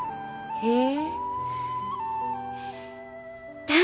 へえ。